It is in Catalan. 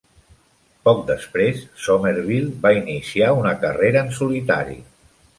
Poc després, Somerville va iniciar una carrera en solitari.